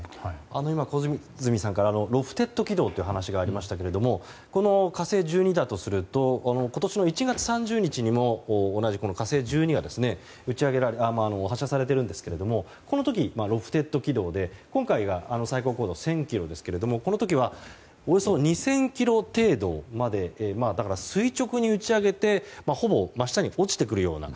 今、小泉さんからロフテッド軌道という話がありましたがこの「火星１２型」だとすると今年の１月３０日にも同じ「火星１２」が発射されているんですけれどもこの時、ロフテッド軌道で今回が、最高高度１０００ｋｍですがこの時はおよそ２０００ｋｍ程度までだから垂直に打ち上げてほぼ真下に落ちてくるような。